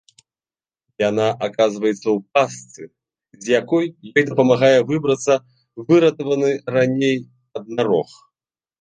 Яна аказваецца ў пастцы, з якой ёй дапамагае выбрацца выратаваны раней аднарог.